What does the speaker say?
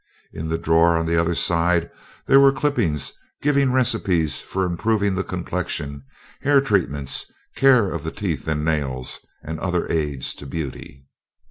In the drawer on the other side there were clippings giving recipes for improving the complexion, hair treatments, care of the teeth and nails, and other aids to beauty.